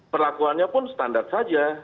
perlakuannya pun standar saja